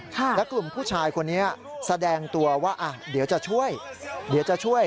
และกลุ่มผู้ชายคนนี้แสดงตัวว่าเดี๋ยวจะช่วย